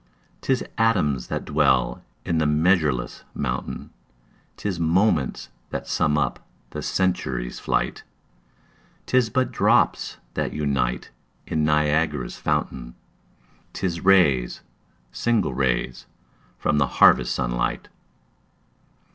'Tis atoms that dwell in the measureless mountain, 'Tis moments that sum up the century's flight; 'Tis but drops that unite in Niagara's fountain, 'Tis rays, single rays, from the harvest sun light.